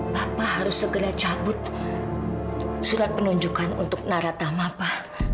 pa papa harus segera cabut surat penunjukan untuk naratama pa